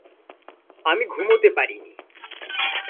আমিও ঘুমোতে পারিনি।